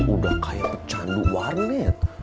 udah kayak pecandu warnet